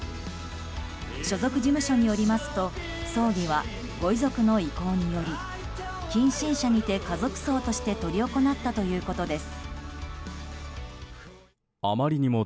所属事務所によりますと葬儀はご遺族の意向により近親者にて家族葬として執り行ったということです。